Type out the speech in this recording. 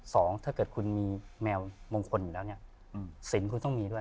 ถ้าเกิดคุณมีแมวมงคลอยู่แล้วเนี่ยสินคุณต้องมีด้วย